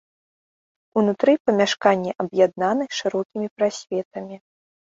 Унутры памяшканні аб'яднаны шырокімі прасветамі.